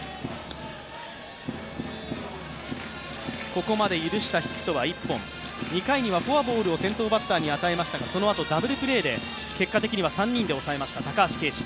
ここまで許したヒットは１本、２回にはフォアボールを先頭バッターに与えましたが結果的には３人で抑えました、高橋奎二。